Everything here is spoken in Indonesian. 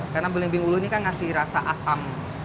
karena belimbing ulu ini kan ngasih rasa asam